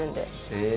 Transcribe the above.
へえ！